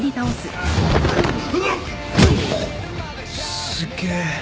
すげえ。